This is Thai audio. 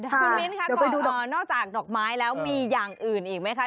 คุณมิ้นค่ะก่อนดูนอนนอกจากดอกไม้แล้วมีอย่างอื่นอีกไหมคะ